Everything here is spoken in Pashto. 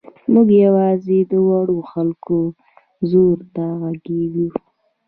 موږ یوازې د وړو خلکو ځور ته غږېږو.